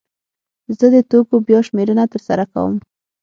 زه د توکو بیا شمېرنه ترسره کوم.